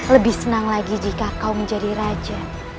lebih senang lagi jika kau menjadi raja